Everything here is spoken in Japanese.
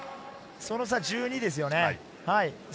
その差、１２です。